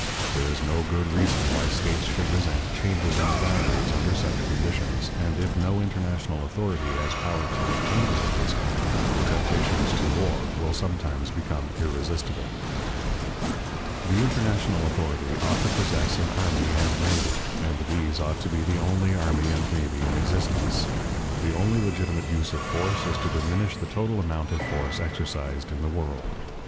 There is no good reason why states should resent changes in their boundaries under such conditions, and if no international authority has power to make changes of this kind, the temptations to war will sometimes become irresistible. For detailed scheme of international government see "International Government," by L. Woolf. Allen & Unwin. The international authority ought to possess an army and navy, and these ought to be the only army and navy in existence. The only legitimate use of force is to diminish the total amount of force exercised in the world.